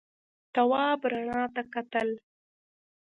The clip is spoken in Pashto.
تواب رڼا ته کتل.